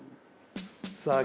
さあ